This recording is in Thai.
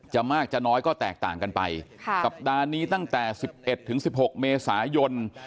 มากจะน้อยก็แตกต่างกันไปสัปดาห์นี้ตั้งแต่๑๑ถึง๑๖เมษายน